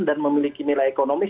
dan memiliki nilai ekonomis